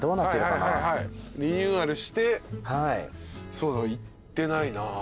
そうだな行ってないな。